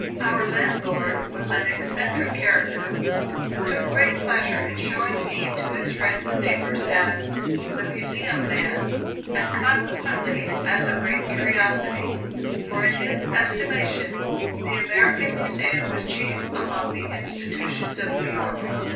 Our landlord was an eccentric character, who took great pleasure in showing me to his friends and neighbors as "the Museum man," and consequently, as a great curiosity; for in his estimation, the American Museum was chief among the institutions of New York.